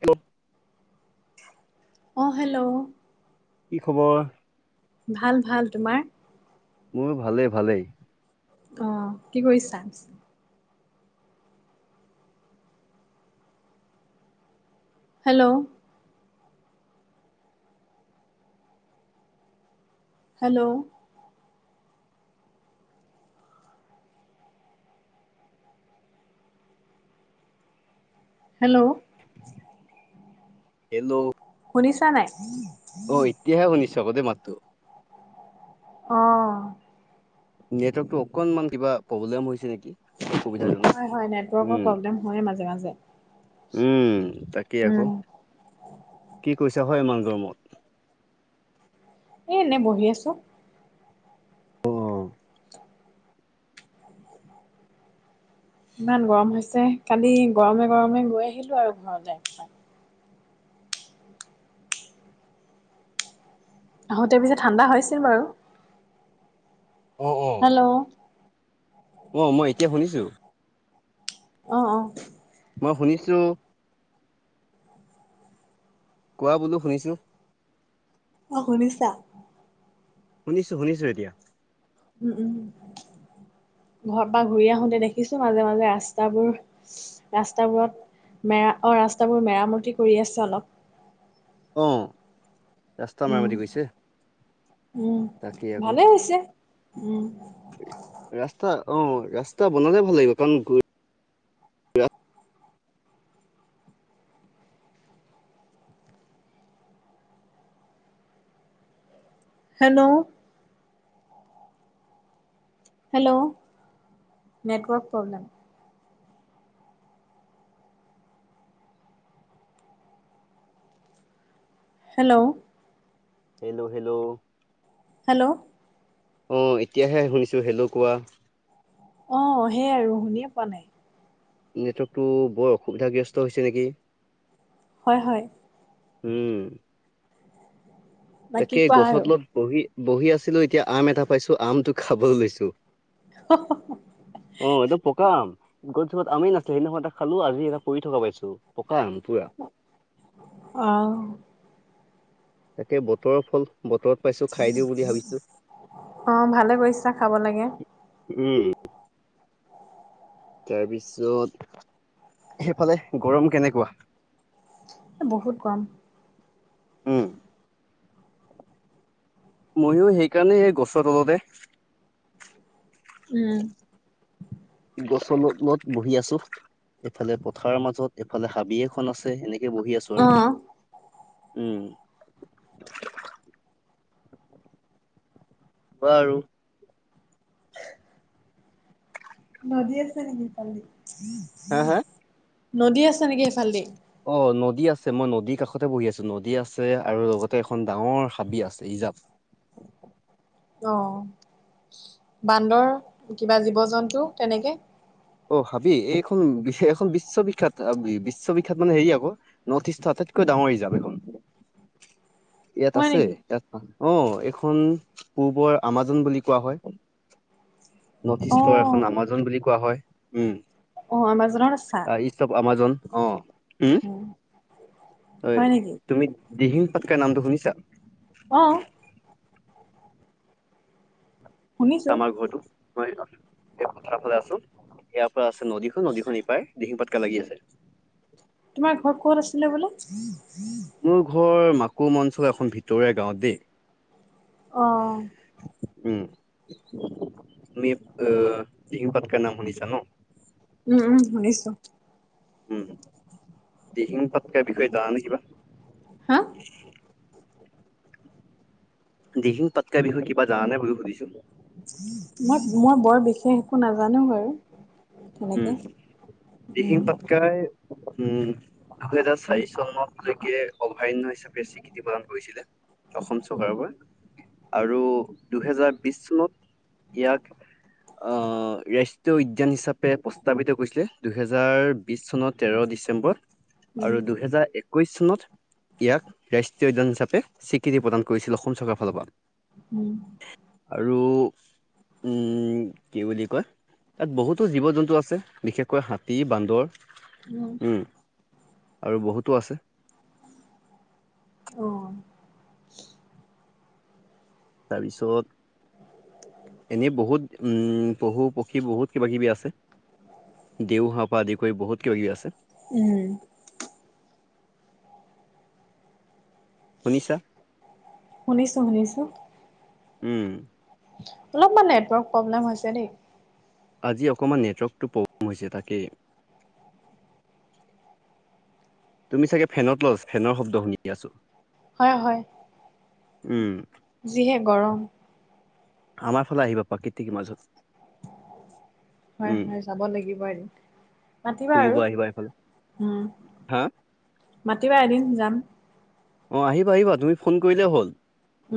ক্লুট্‌। অঁ, হেল্ল! কি খবৰ? ভাল, ভাল তোমাৰ? মোৰ ভালেই, ভালেই। অঁ, কি কৰিছা? হেল্ল! হেল্ল! হেল্ল! হেল্ল! শুনিছা নাই? অঁ, এতিয়াহে শুনিছোঁ আক' দেই মাতটো। অঁ নেটৱৰ্কটো অকণমান কিবা প্ৰব্লেম হৈছে নেকি? অসুবিধাজনক। হয়, হয় নেটৱৰ্কৰ প্ৰব্লেম হয় মাজে মাজে। উমঁ! তাকেই আক উম কি কৈছা হয় ইমান গৰমত এ এনেই বহি আছোঁ। অ ইমান গৰম হৈছে কালি গৰমে গৰমে গৈ আহিলো আৰু ঘৰৰত যাই পাই আহোতে পিছে ঠাণ্ডা হৈছিল বাৰু। অঁ অঁ! হেল্ল' অ অঁ মই এতিয়া শুনিছোঁ অঁ অঁ। মই শুনিছোঁ কোৱা বোলো শুনিছোঁ। অঁ শুনিছা। শুনিছো শুনিছো এতিয়া উমঁ উমঁ ঘৰ পৰা ঘূৰি আহোতে দেখিছো মাজে মাজে ৰাস্তাবোৰ ৰাস্তাবোৰত মেৰা অ ৰাস্তাবোৰ মেৰামতি কৰি আছে অলপ। অঁ! ৰাস্তা উম মেৰামতি কৰিছে উম, তাকেই আক ভালে হৈছে। উম, ৰাস্তা অ ৰাস্তা বনালে ভাল লাগিব কাৰণ গোত hello! Hello! Network problem. Hello! Hello! Hello! Hello. অঁ এতিয়াহে শুনিছোঁ হেল্লৌ! কোৱা। অঁ সেইয় আৰু শুনিয়ে পোৱা নাই নেটৱৰ্কটো বৰ অসুবিধাগ্ৰস্ত হৈছে নেকি? হয়ঁ হয়ঁ। উমঁ! বাকী তাকে কোৱা গছৰ আৰু। তলত বহি বহি আছিলো এতিয়া আম এটা পাইছো আমটো খাব লৈছো। স্ স্ সহ অঁ! এইটো পকা আম। গছজোপাত আমেই নাছিলে সেইদি এটা খালো আজি এটা পৰি থকা পাইছো পকা আম পুৰা। অঁ! তাকে বতৰৰ ফল বতৰত। পাইছো খাই দিও বুলি ভাবিছো। অঁ! ভালে কৰিছা খাব লাগে। উমঁ! তাৰপিছত সেইফালে গৰম কেনেকুৱা? বহুত গৰম উমঁ! মইও সেইকাৰণে এই গছৰ তলতে উমঁ! উমঁ! গছত মোৰ বহি আছো এফালে পথাৰৰ মাজত এফালে হাবি এখন আছে এনে হেনেকে এনেকে বহি আছো আৰু অ', উমঁ উমঁ। কোৱা আৰু নদী আছে নেকি ইফালেদি হা হা? নদী আছে নেকি ইফালেদি অঁ নদী আছে মই নদীৰ কাষতে বহি আছো নদী আছে আৰু লগতে এখন ডাঙৰ হাবি আছে ইজাপ অঁ! বান্দৰ কিবা জীৱ জন্তু তেনেকে অঁ! হাবি এইখন বিশ এখন বিশ্ববিখ্যাত বিশ্ববিখ্যাত মানে হেৰি আকৌ নৰ্থ ইষ্ট আটাইতকৈ ডাঙৰ হি যাম এখন ইয়াত হয় আছে নেকি? ইয়াত। [unintelligible] অ' এইখন পূ্বৰ আমাজন বুলি কোৱা হয়। নৰ্থ ইষ্টৰ অ', এখন আমাজন বুলি কোৱা হয় উম'। অঁ আমাজনৰত আছা। ইষ্ট আমাজন অ উ হয় [unintelligible] তুমি দিহিং পাটকাই নামটো শুনিছা? অঁ। শুনিছোঁ। আমাৰ ঘৰটো মইাৰ ফালে আছো [unintelligible] ইয়াৰ পৰা আছে নদীখন নদীখন ইপাই ডিহিং পাটকাই লাগি আছে। তোমাৰ ঘৰ ক'ত আছিলে বোলে। মোৰ ঘৰৰ মাকুম অঞ্চলৰ এখন ভিতৰীয়া গাঁওত দেই। অ' উম, তমি দিহিং পাটকাৰ নাম শুনিছা ন? উম উম, শুনিছো। উম, দিহিং পাটকাই বিষয়ে জানা নে কিবা? হা? দিহিং পাটকাই বিষয়ে কিবা জানোই বুলি সুধিছো। মই মই বৰ বিশেষ একো নাজানো বাৰু। সেনেকে, উম। কাই, উম। দুহেজাৰ চাৰি চনতলৈকে অভয়াৰণ্য হিচাপে স্বীকৃতি প্ৰদান কৰিছিলে। অসম চৰকাৰৰ পৰা। আৰু দুহেজাৰ বিশ চনত ইয়াক। অ' উদ্যান হিচাপ। প্ৰস্তাৱিত কৰিছিলে। দুহেজাৰ বিশ চনৰ তেৰ ডিচেম্বৰত উম। আৰু দুহেজাৰ এক। একৈশ চনত ইয়াক ৰাষ্ট্ৰীয় উদ্যান হিচাপে স্বীকৃতি প্ৰদান কৰিছিল অসম চৰকাৰৰ ফালৰ পৰা। উম। আৰু উম, কি বুলি কয় তাত বহুত। জীৱ- জন্তু আছে বিশেষকৈ হাতী বান্দৰ, উম। আৰু বহুতো আছে। অঁ। তাৰপিছত। এনেই বহুত উম, পহু - পক্ষী বহুত কিবা কিবি আছে। দেওহাঁহ পৰা আদি কৰি বহুত কিবা কিবি আছে। উম। শুনিছা শুনিছো শুনিছো। উম। অলপমান নেটৱৰ্ক প্ৰব্লেম হৈছে দেই। আজি অকণমান নেটৱৰ্কটো প্ৰব্লেম হৈছে তাকে। তুমি চাগে ফেনৰ তলত, ফেনৰ শব্দ শুনি আছো। হয় হয়, উম যিহে গৰম। আমাৰ ফালে আহিবা প্ৰাকৃতিক মাজত। হয় উম হয়। যাব লাগিব এদিন মাতিবা ফুৰিব আৰু আহিবা এইফালে উম। হা মাতিবা এদিন যাম। অঁ আহিবা আহিবা তুমি ফোন কৰিলেই হ'ল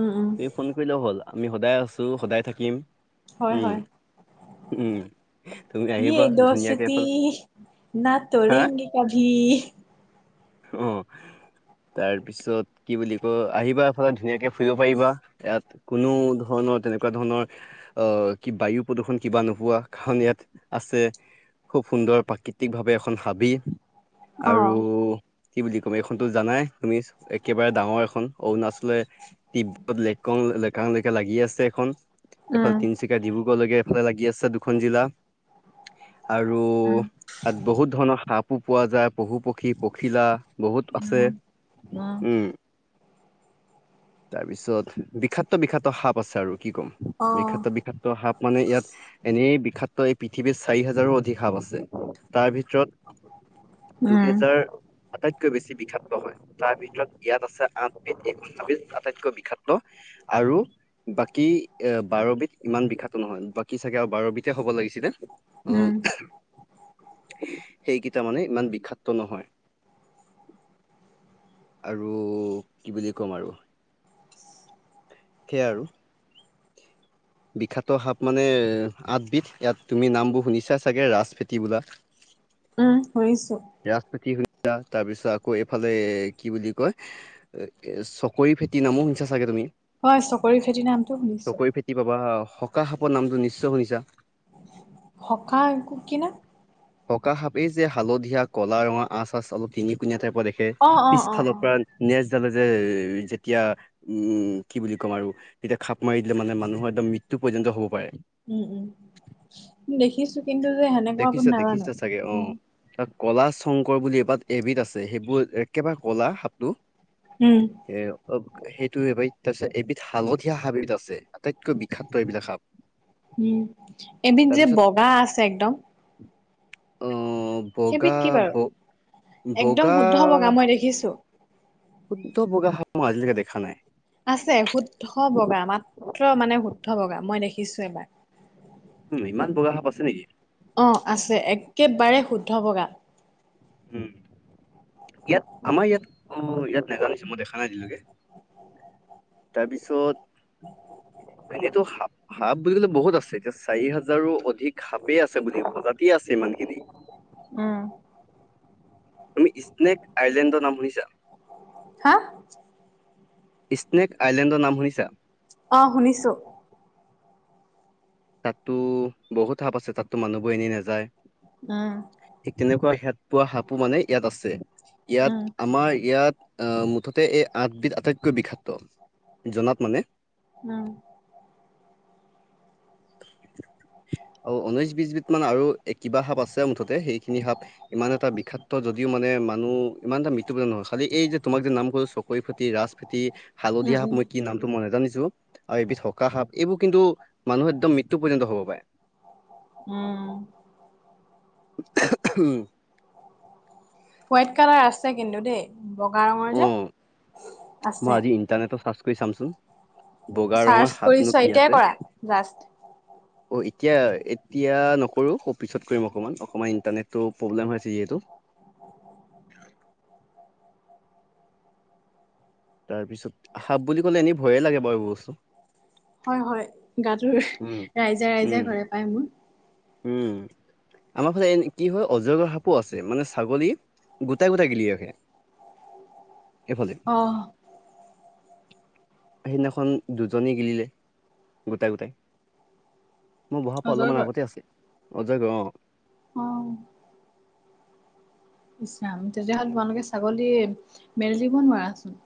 উম, উম, ফোন। হ'ল আমি সদায় আছো সদায় থাকিম। হয় উম হয় উম তুমি ইয়ে আহিবা ধুনীয়াকে দস্তি এফালে না হা তৰেংগী অভি অ তাৰ পিছত কি বুলি কয় আহিবা এফালে ধুনীয়াকে ফুৰিব পাৰিবা ইয়াত কোনো ধৰণৰ তেনেকুৱা ধৰণৰ অ কি বায়ু প্ৰদূষণ কিবা নোহোৱা কাৰণ ইয়াত আছে। খুব সুন্দৰ প্ৰাকৃতিক ভাৱে এখন হাবি অ', আৰু কি বুলি ক'ম এইখনতো জানাই তুমি একেবাৰে ডাঙৰ এখন অৰুণাচলে তিব্বত লেকং লেকাংলেকে লাগি আছে এখন এফালে উম, তিন- চিকা ডিব্ৰুগড়লৈকে এইফালে লাগি আছে দুখন জিলা। আৰু উম, তাত বহুত ধৰণৰ সাপো পোৱা যায় পশু-পক্ষী, পখিলা বহুত উম। আছে উম। তাৰপিছত বিষাক্ত বিষাক্ত সাপ আছে আৰু কি ক'ম অ'। বিষাক্ত বিষাক্ত সাপ মানে ইয়াত এনেই বিষাক্ত এই পৃথিৱীৰত চাৰি হাজাৰো অধিক সাপ আছে তাৰ ভিতৰত উম, দুহেজাৰ আটাইতকৈ বেছি বিষাক্ত হয় তাৰ ভিতৰত ইয়াত আছে আঠ বিধ [unintelligible] আটাইতকৈ বিষাক্ত আৰু বাকী এ বাৰবিধ ইমান বিষাক্ত নহয় বাকী চাগে আৰু বাৰবিধে হ'ব লাগিছিলে। উম সেইকেইটা মানে ইমান বিষাক্ত নহয়। আৰু কি বুলি ক'ম আৰু সে আৰু [unintelligible] বিষাক্ত সাপ মানে আঠবিধ ইয়াত তুমি নামবোৰ শুনিছা চাগে ৰাজফেঁটি বোলা [unintelligible] উম শুনিছো ৰাজফেঁটি শুনিছা তাৰ পিছত আকৌ এইফালে কি বুলি কয় চকৰি ফেটি নামো শুনিছা চাগে তুমি হয় চকৰি ফেতিৰ নাম চকৰি ফেটি পাবা সখাহ সাপৰ নামটো নিশ্চয় শুনিছা সকাৰ কো কি নাম সখা সাপেই যে হালধীয়া কলা ৰঙা আচ আচ অলপ তিনি কোনীয়া টাইপৰ দেখে অ', অ', অ', পিছফালৰ অ'। পৰা নেজডালে যে যেতিয়া উম কি বুলি কম আৰু তেতিয়া খাপ মাৰি দিলে মানে মানুহৰ একম মৃত্যু পৰ্যন্ত হ'ব পাৰে। উম উম দেখিছো কিন্তু যে সেনেকুৱা কোন দেখিছা নাজানো দেখিছা চাগে অ উ তাত কলা শংকৰ বুলি এবাত এবিধ আছে সেইবোৰ একেবাৰে কলা সাপটো উম এ অ সেইটোৱে বাই তাৰপিছত এবিধ হালধীয়া সাবিধ আছে আটাইত উম এবিধ যে তাৰপিছত বগা আছে একদম অ সেইবিধ বগা কি ব বাৰু? একদম বগা শুদ্ধ বগা মই দেখিছোঁ শুদ্ধ বগা সাপ মই আজিলৈকে দেখা নাই। আছে শুদ্ধ বগা মাত্ৰ মানে শুদ্ধ বগা মই দেখিছো এবাৰ। উম ইমান বগা সাপ আছে নেকি! অ আছে একেবাৰে শুদ্ধ বগা উম ইয়াত আমাৰ ইয়াত অ, ইয়াত নাজানিছে মই দেখা নাই আজিলকে তাৰপিছত এনেইটো সাপ সাপ বুলি কলে বহুত আছে। এতিয়া চাৰি হাজাৰো অধিক সাপেই আছে বুলি প্ৰজাতিয়ে আছে ইমানখিনি। উম, তুমি ইস্নেক আইলেণ্ডৰ নাম শুনিছা? হা? ইস্নেক আইলেণ্ডৰ নাম শুনিছা? অঁ, শুনিছো। তাততো বহুত সাপ আছে। তাততো মানুহবোৰ এনেই নাযায়। উম। ঠিক তেনেকুৱা সিয়াত পোৱা সাপো মানে ইয়াত আছে উম, ইয়াত আমাৰ ইয়াত। আহ, মুঠতে এই আঠবিধ আটাইতকৈ বিষাক্ত। জনাত মানে উম। আৰু ঊনৈশ বিচবিধ মান আৰু কিবা সাপ আছে মুঠতে সেইখিনি সাপ ইমান এটা বিষাত্ত যদিও মানে, মানুহ ইমান এটা মৃত্যু বোলে নহয় খালি এই যে তোমাক যে নাম কৰ চকৰি ফেটি, ৰাজ ফেতি, উম হালধীয়া সাপ, উম মই কি নামটো মই নোজানিছো আৰু এবিধ থকা সাপ এইবোৰ কিন্তু মানুহ এদম মৃত্যু পৰ্য হব পাৰে। উম। উম [unintelligible] হোৱাইট কালাৰ আছে কিন্তু দেই। বগা ৰঙৰ যে আছে। ইটাৰনেটৰ চাৰ্চ কৰি চামচোন, বগা চাৰ্চ ৰঙৰ কৰি সাপনো চোৱা কি এতিয়াই আছে! কৰা জাষ্ট অঁ এতিয়া, এতিয়া নকৰো। অকমান পিছত কৰিম অকমান অকণমান ইণ্টাৰনেটো প্ৰব্লেম হৈ আছে যিহেতু তাৰপিছত সাপ বুলি ক'লে এনেই ভয়ে লাগে বাৰু এবোৰ বস্তু হয় হয় গাটো, উম ৰাইজাই ৰাইজাই উম কৰে পায় মোৰ। উম। আমাৰ ফালে এ কি হয় অজগৰ সাপো আছে। মানে ছাগলী গোটাই গোটাই গিলি ৰাখে। এফালে। অহ, সেইদিনাখন দুজনী গিলিলে, গোটা গোটাই। মোৰ বহাৰ পৰা অলপমান অজগৰ আগতে আছে, অজগৰ অঁ। অঁ ইচৰাম তেতিয়াহ'লে তোমালোকে ছাগলী মেলি দিব নোৱাৰাচোন।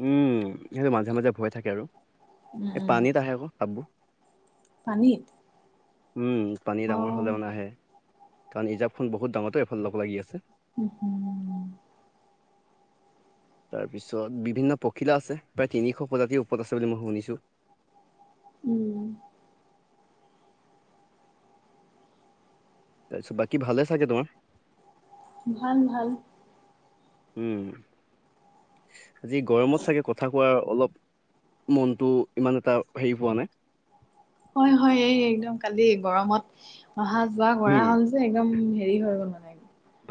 উম সেইটো মাজে মাজে ভয় থাকে আৰু। উম এই উম পানীত আহে ক সাপবোৰ। পানীত? উম পানী অ ডাঙৰ হলেমানে আহে। কাৰণ ইজাপখন বহুত ডাঙৰটো এইফাল লগ লাগি আছে। উ হোম। তাৰ পিছত, বিভিন্ন পখিলা আছে। প্ৰায় তিনিশ প্ৰজাতিৰ ওপৰত আছে বুলি মই শুনিছো। উম। তাৰপিছত বাকী ভালে চাগে তোমাৰ। ভাল ভাল। উম আজি গৰমত চাগে কথা কোৱাৰ অলপ মনটো ইমান এটা হেৰি পোৱা নাই। হয় হয়। এই একদম কালি গৰমত অহা যোৱা কৰা উম হ'ল যে একদম হেৰি হৈ গ'ল মানে।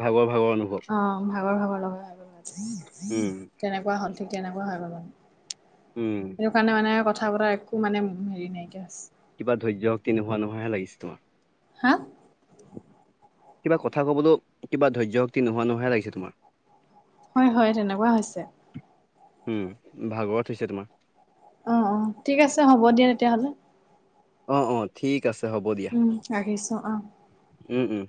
ভাগৰ ভাগৰ অনুভৱ। অ ভাগৰ ভাগৰ লগা হৈ গল, উম তেনেকুৱা হ'ল ঠিক তেনেকুৱা হৈ গ'ল। উম। সেইটো কাৰণে মানে কথা বতৰা একো মানে হেৰি নাইকিয়া হৈছে। কিবা ধৈৰ্য শক্তি নোহোৱা নোহোৱা হে লাগিছে তোমাৰ। হা? কিবা কথা কবলো কিবা ধৈৰ্য্য শক্তি নোহোৱা নোহোৱা হে লাগিছে তোমাৰ। হয় হয় তেনেকুৱা হৈছে। ওম ভাগৰত হৈছে তোমাৰ। অ অ ঠিক আছে হ'ব দিয়া তেতিয়াহ'লে। অ অ ঠিক আছে হ'ব দিয়া। উম, ৰাখিছোঁ অঁ ওম ওম।